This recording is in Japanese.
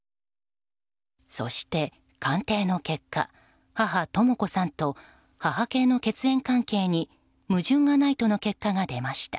そして、鑑定の結果母・とも子さんと母系の血縁関係に矛盾がないとの結果が出ました。